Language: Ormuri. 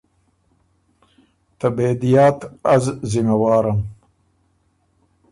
ته بېدیات از ذمه وارم۔